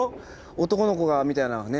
男の子がみたいなね。